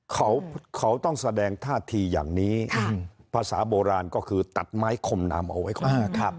เขาต้องแสดงท่าทีอย่างนี้ภาษาโบราณก็คือตัดไม้คมนามเอาไว้ก่อน